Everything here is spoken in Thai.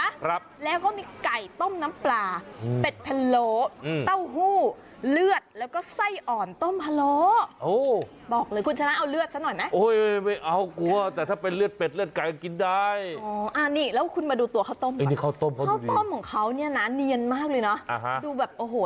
ครับแล้วก็มีไก่ต้มน้ำปลาเบ็ดเผโลอืมเนี้ยนมากเลยนะอ่าฮะดูแบบโอ้โห